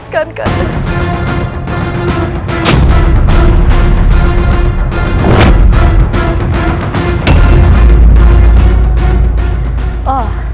tak ada bp zadana yang telah